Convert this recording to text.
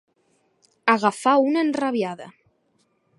Agafar una enrabiada.